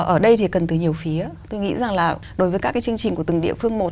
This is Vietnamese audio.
ở đây thì cần từ nhiều phía tôi nghĩ rằng là đối với các cái chương trình của từng địa phương một